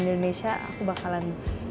di indonesia aku bakalan